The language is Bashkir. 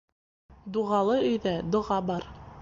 Дуғалы өйҙә доға бар.